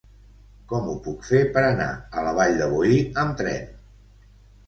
Com ho puc fer per anar a la Vall de Boí amb tren?